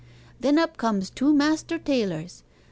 Then up comes two master tailors.